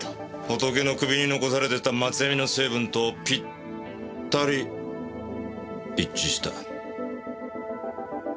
ホトケの首に残されてた松ヤニの成分とぴったり一致した。